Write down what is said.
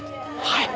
はい。